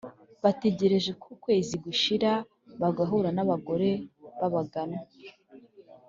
bategereje ko ukwezi gushira bagahura n'abagore b'abaganwa